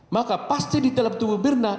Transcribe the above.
maka pasti di dalam tubuh mirna